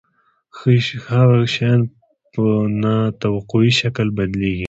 هغه شیان په نا توقعي شکل بدلیږي.